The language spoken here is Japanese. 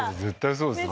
そうですね